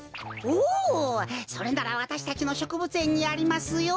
おおそれならわたしたちのしょくぶつえんにありますよ。